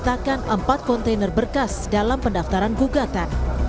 dalam permohonannya tpn menyertakan empat kontainer berkas dalam pendaftaran gugatan